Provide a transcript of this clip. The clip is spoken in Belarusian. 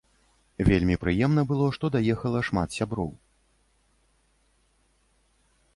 Вельмі прыемна было, што даехала шмат сяброў.